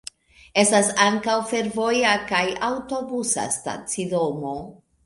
Estas ankaŭ fervoja kaj aŭtobusa stacidomoj.